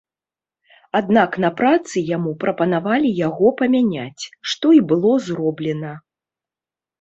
Аднак на працы яму прапанавалі яго памяняць, што і было зроблена.